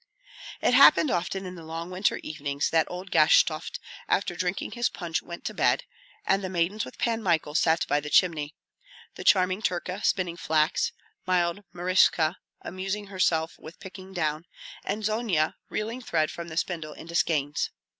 It happened often in the long winter evenings that old Gashtovt, after drinking his punch, went to bed, and the maidens with Pan Michael sat by the chimney; the charming Terka spinning flax, mild Maryska amusing herself with picking down, and Zonia reeling thread from the spindle into skeins.